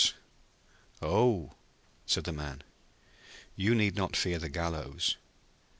'Oh,' said the Man, 'you need not be afraid of the gallows.